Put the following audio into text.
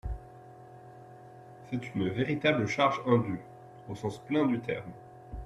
C’est une véritable charge indue, au sens plein du terme.